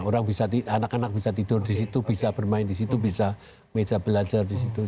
orang bisa anak anak bisa tidur di situ bisa bermain di situ bisa meja belajar di situ